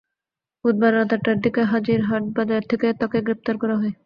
বুধবার রাত আটটার দিকে হাজিরহাট বাজার থেকে তাঁকে গ্রেপ্তার করা হয়।